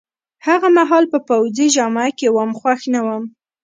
هغه مهال په پوځي جامه کي وم، خوښ نه وم.